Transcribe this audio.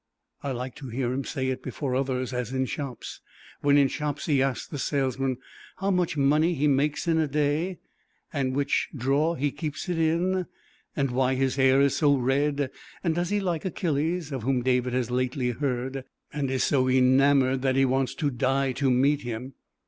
I like to hear him say it before others, as in shops. When in shops he asks the salesman how much money he makes in a day, and which drawer he keeps it in, and why his hair is red, and does he like Achilles, of whom David has lately heard, and is so enamoured that he wants to die to meet him.